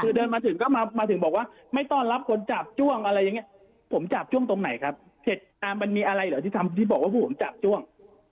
คือเดินมาถึงก็มาถึงบอกว่าไม่ต้อนรับคนจับจ้วงอะไรอย่างเงี้ยผมจับช่วงตรงไหนครับเสร็จมันมีอะไรเหรอที่บอกว่าพวกผมจับจ้วง